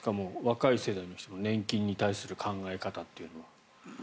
若い人たちの年金に対する考え方というのは。